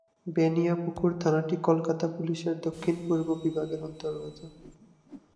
বেনিয়াপুকুর থানাটি কলকাতা পুলিশের দক্ষিণ পূর্ব বিভাগের অন্তর্গত।